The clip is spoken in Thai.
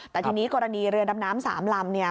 แต่ทีนี้กรณีเรือดำน้ำ๓ลำเนี่ย